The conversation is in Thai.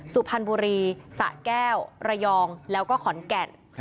สุพรรณบุรีสะแก้วระยองแล้วก็ขอนแก่น